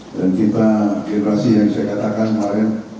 dan kita generasi yang saya katakan kemarin